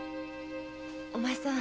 お前さん